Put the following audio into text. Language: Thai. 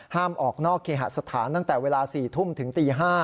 ออกนอกเคหสถานตั้งแต่เวลา๔ทุ่มถึงตี๕